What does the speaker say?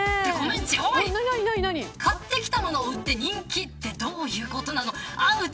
コムッチ、おい買ってきたものを売って人気ってどういうことなの。